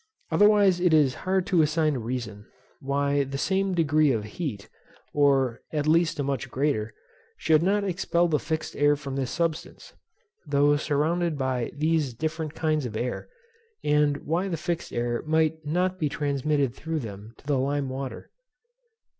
Otherwise it is hard to assign a reason, why the same degree of heat (or at least a much greater) should not expel the fixed air from this substance, though surrounded by these different kinds of air, and why the fixed air might not be transmitted through them to the lime water.